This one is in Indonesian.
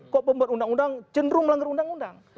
kok pembuat undang undang cenderung melanggar undang undang